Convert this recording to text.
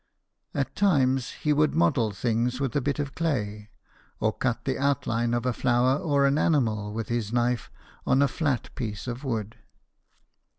At times he would model things with a bit of clay, or cut the outline of a flower or an animal with his knife on a flat piece of wood.